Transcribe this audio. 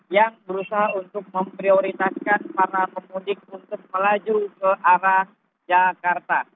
yang berusaha untuk memprioritaskan para pemudik untuk melaju ke arah jakarta